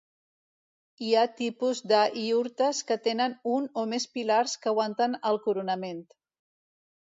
Hi ha tipus de iurtes que tenen un o més pilars que aguanten el coronament.